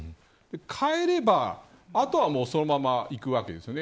変えれば、後はそのままいくわけですよね。